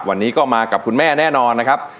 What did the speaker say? วันนี้ก็มากับคุณแม่แน่นอนนะครับ